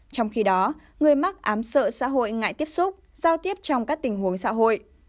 trong khi đó người mắc ám sợ xã hội ngại tiếp xúc giao tiếp trong các tình huống xã hội